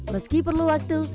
meski perlu waktu